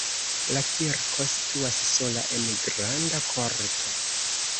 La kirko situas sola en granda korto.